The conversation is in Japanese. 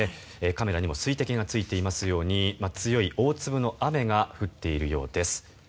カメラにも水滴がついていますように強い大粒の雨が降っているようです。